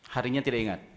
harinya tidak ingat